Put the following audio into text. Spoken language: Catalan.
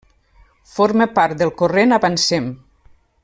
Forma part del corrent Avancem.